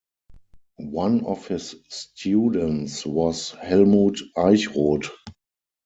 One of his students was Hellmut Eichrodt.